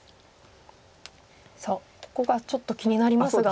さあここがちょっと気になりますが。